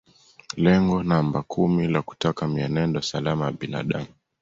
Lengo namba kumi la kutaka mienendo salama ya binadamu